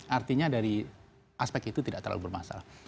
artinya dari aspek itu tidak terlalu bermasalah